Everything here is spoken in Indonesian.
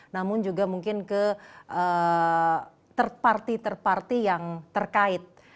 namun juga mungkin ke thir party thir party yang terkait